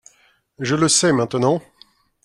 Je le sais maintenant.